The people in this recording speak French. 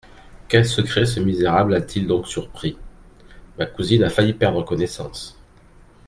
Quel secret ce misérable a-t-il donc surpris ? ma cousine a failli perdre connaissance.